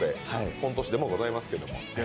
コント師でもございますけど。